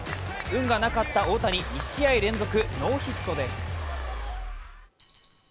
運がなかった大谷、１試合連続ノーヒットです。